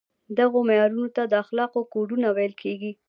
دغو معیارونو ته د اخلاقو کودونه ویل کیږي.